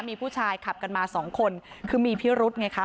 มีผู้ชายขับกันมาสองคนคือมีพิรุธไงคะ